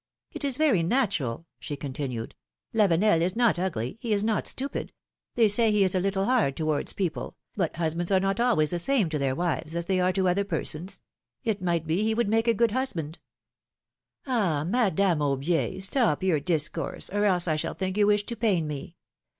^^It is very natural," she continued. Lavenel is not ugly, he is not stupid ; they say he is a little hard towards people, but husbands are not always the same to their wives as they are to other persons; it might be, he would make a good husband." '^Ah ! Madame Aubier, stop your discourse, or else I shall think you wish to pain me